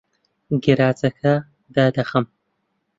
گەراجەکە دادەخەم.